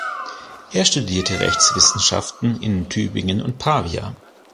Er studierte Rechtswissenschaften in Tübingen und Pavia.